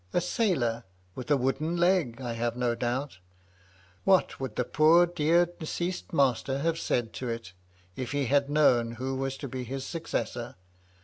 A sailor, — ^with a wooden leg, I have no doubt What would the poor, dear, deceased master have said to it, if he had known who was to be his successor